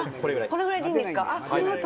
これぐらいでいいんですか？